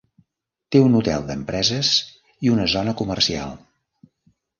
Té un hotel d'empreses i una zona comercial.